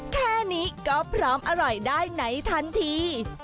แค่นี้ก็พร้อมอร่อยได้ไหนทันที